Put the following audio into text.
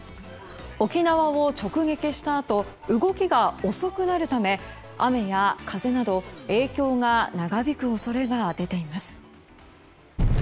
沖縄を直撃したあと動きが遅くなるため雨や風など影響が長引く恐れが出ています。